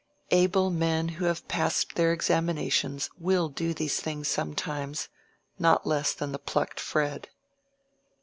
Able men who have passed their examinations will do these things sometimes, not less than the plucked Fred.